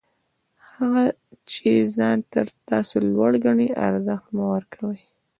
هغه چي ځان تر تاسي لوړ ګڼي، ارزښت مه ورکوئ!